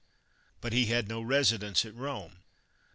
But he had no residence at Eome.'